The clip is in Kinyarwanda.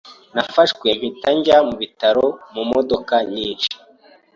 Nafashwe mpita njya mu bitaro mu modoka nyinshi.